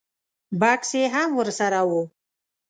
بکس یې هم ور سره و.